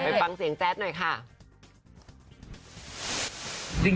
ไปฟังเสียงแจ๊ดหน่อยค่ะ